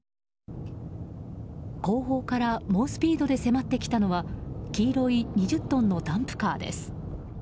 後方から猛スピードで迫ってきたのは黄色い２０トンのダンプカーです。